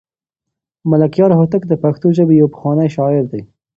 ملکیار هوتک د پښتو ژبې یو پخوانی شاعر دی.